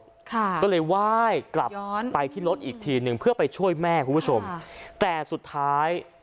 ค่ะก็เลยไหว้กลับไปที่รถอีกทีหนึ่งเพื่อไปช่วยแม่คุณผู้ชมค่ะแต่สุดท้าย